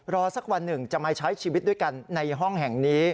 สักวันหนึ่งจะมาใช้ชีวิตด้วยกันในห้องแห่งนี้